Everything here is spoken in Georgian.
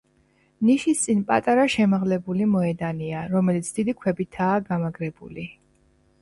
ნიშის წინ პატარა შემაღლებული მოედანია, რომელიც დიდი ქვებითაა გამაგრებული.